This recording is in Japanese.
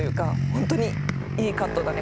「ホントにいいカットだね！